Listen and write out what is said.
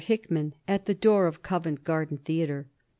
Hickman, at the door of Covent Garden Theatre.